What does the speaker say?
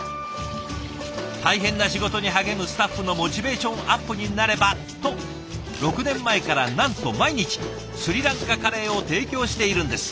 大変な仕事に励むスタッフのモチベーションアップになればと６年前からなんと毎日スリランカカレーを提供しているんです。